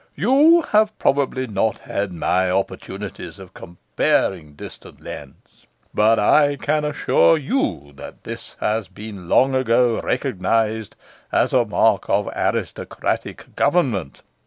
You have probably not had my opportunities of comparing distant lands; but I can assure you this has been long ago recognized as a mark of aristocratic government.